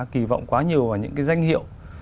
kỳ vọng quá nhiều vào những cái danh hiệu